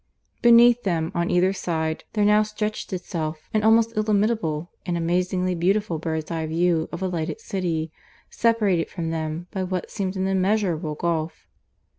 Beneath them, on either side, there now stretched itself an almost illimitable and amazingly beautiful bird's eye view of a lighted city, separated from them by what seemed an immeasurable gulf.